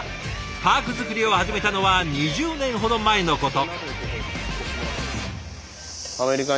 パーク作りを始めたのは２０年ほど前のこと。